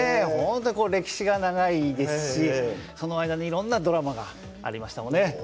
本当に歴史が長いですしその間にいろんなドラマがありましたもんね。